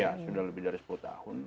ya sudah lebih dari sepuluh tahun